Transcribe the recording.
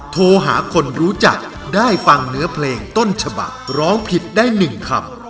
โทรหาคนรู้จักได้ฟังเนื้อเพลงต้นฉบักร้องผิดได้๑คำ